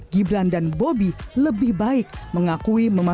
gibran dan bobi lebih baik mengakui